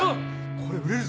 これ売れるぞ